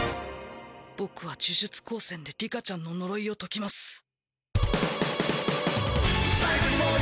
僕は呪術高専で里香ちゃんの呪いを解きます。